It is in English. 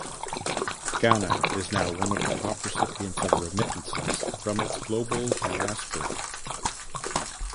Ghana is now one of the top recipients of remittances from its global diaspora.